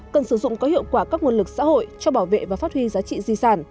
cần sử dụng có hiệu quả các nguồn lực xã hội cho bảo vệ và phát huy giá trị di sản